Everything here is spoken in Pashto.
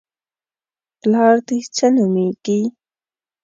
_پلار دې څه نومېږي؟